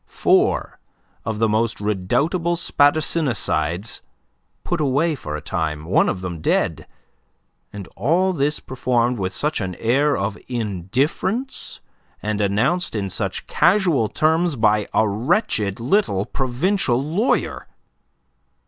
Four of the most redoubtable spadassinicides put away for a time, one of them dead and all this performed with such an air of indifference and announced in such casual terms by a wretched little provincial lawyer!